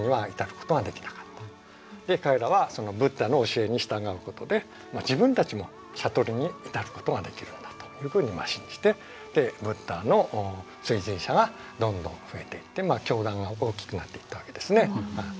で彼らはそのブッダの教えに従うことで自分たちも悟りに至ることができるのだというふうに信じてブッダの追随者がどんどん増えていって教団が大きくなっていったわけですね。